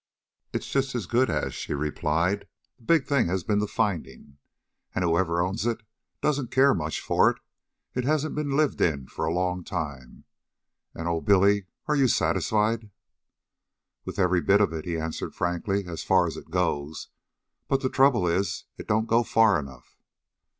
"It's just as good as," she replied. "The big thing has been the finding. And whoever owns it doesn't care much for it. It hasn't been lived in for a long time. And Oh, Billy are you satisfied!" "With every bit of it," he answered frankly, "as far as it goes. But the trouble is, it don't go far enough."